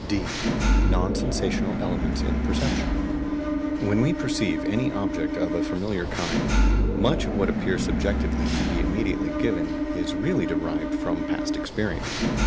(d) NON SENSATIONAL ELEMENTS IN PERCEPTION. When we perceive any object of a familiar kind, much of what appears subjectively to be immediately given is really derived from past experience.